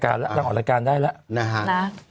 แล้วนี่ถ้าออกรายการได้แล้ว